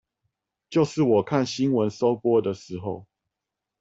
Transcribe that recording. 就是我看新聞收播的時候